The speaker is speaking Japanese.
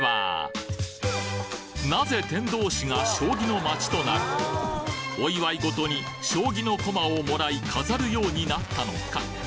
なぜ天童市が将棋の街となりお祝い事に将棋の駒を貰い飾るようになったのか？